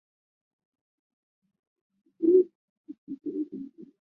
路线由各都道府县区域内的都道府县知事与该都道府县议会议决而制定。